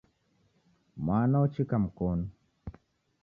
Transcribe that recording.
Mwana ochika mkonu.